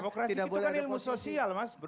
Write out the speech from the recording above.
demokrasi itu kan ilmu sosial mas